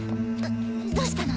どうしたの？